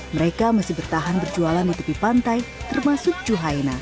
mereka masih bertahan berjualan di tepi pantai termasuk juhaina